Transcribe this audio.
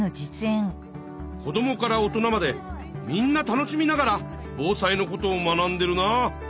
子どもから大人までみんな楽しみながら防災のことを学んでるなあ！